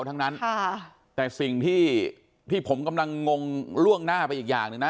ทั้งนั้นค่ะแต่สิ่งที่ที่ผมกำลังงงล่วงหน้าไปอีกอย่างหนึ่งนะ